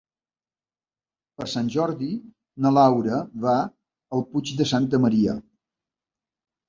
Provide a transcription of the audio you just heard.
Per Sant Jordi na Laura va al Puig de Santa Maria.